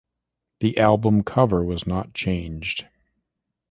The album cover was not changed.